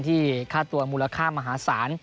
ค่าตัวมูลค่ามหาศาล